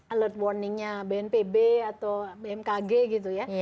alert warningnya bnpb atau bmkg gitu ya